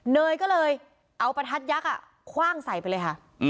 เนยก็เลยเอาประทัดยักษ์คว่างใส่ไปเลยค่ะ